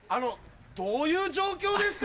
どういう状況ですか？